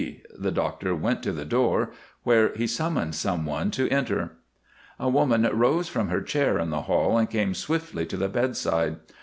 The doctor went to the door, where he motioned some one to enter. A woman rose from her chair in the hall and came swiftly to the bedside.